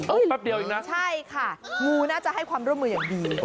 แป๊บเดียวเองนะใช่ค่ะงูน่าจะให้ความร่วมมืออย่างดี